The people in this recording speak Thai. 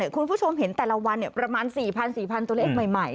คุณผู้ชมเห็นแต่ละวันประมาณ๔๐๐๔๐๐ตัวเลขใหม่